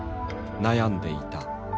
悩んでいた。